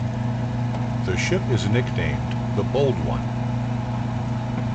The ship is nicknamed "The Bold One".